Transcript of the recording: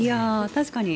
確かに。